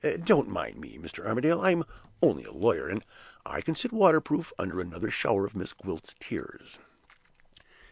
Don't mind me, Mr. Armadale; I'm only a lawyer, and I can sit waterproof under another shower of Miss Gwilt's tears!"